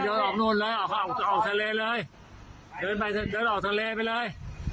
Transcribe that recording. ออกนู่นเลยออกจะออกทะเลเลยเดินไปเดินออกทะเลไปเลย